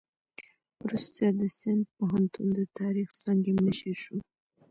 وروسته د سند پوهنتون د تاریخ څانګې مشر شو.